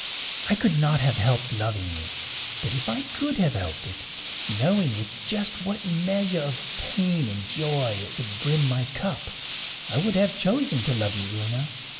I could not have helped loving you. But if I could have helped it, knowing with just what measure of pain and joy it would brim my cup, I would have chosen to love you, Una.